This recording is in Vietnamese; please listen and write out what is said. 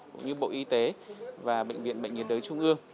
cũng như bộ y tế và bệnh viện bệnh nhiệt đới trung ương